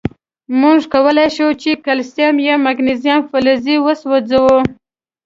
مونږ کولای شو چې کلسیم یا مګنیزیم فلز وسوځوو.